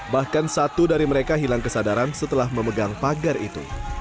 bahkan satu dari mereka hilang kesadaran setelah memegang pagar itu